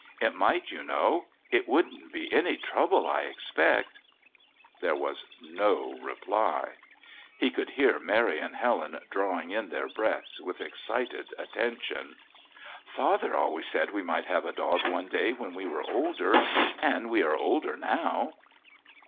It might, you know. It won't be any trouble, I expect " There was no reply. He could hear Mary and Helen drawing in their breaths with excited attention. "Father always said we might have a dog one day when we were older and we are older now."